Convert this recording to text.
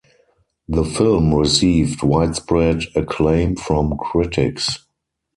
The film received widespread acclaim from critics.